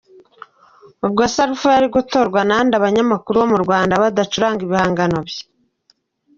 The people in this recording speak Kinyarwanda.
Ubwo se Alpha yari gutorwa na nde abanyamakuru bo mu Rwanda badacuranga ibihangano bye.